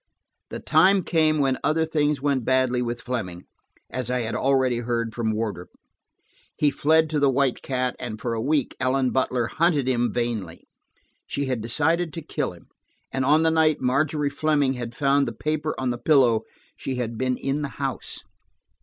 The time came when other things went badly with Fleming, as I had already heard from Wardrop. He fled to the White Cat, and for a week Ellen Butler hunted him vainly. She had decided to kill him, and on the night Margery Fleming had found the paper on the pillow, she had been in the house.